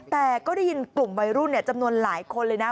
แต่ก็ได้ยินกลุ่มวัยรุ่นจำนวนหลายคนเลยนะ